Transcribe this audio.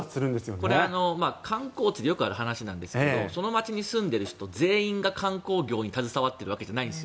これ、観光地でよくある話なんですがその街に住んでいる人全員が観光業に携わっているわけじゃないんですよ。